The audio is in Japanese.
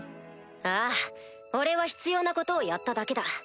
ああ俺は必要なことをやっただけだ。